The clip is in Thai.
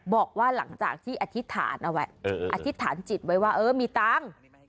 บอกว่าหลังจากที่อธิษฐานเอาไว้อธิษฐานจิตไว้ว่าเออมีตังค์